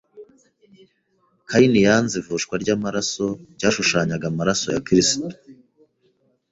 Kayini yanze ivushwa ry’amaraso ryashushanyaga amaraso ya Kristo